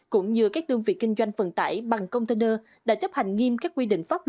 cũng như các đơn vị kinh doanh phần tải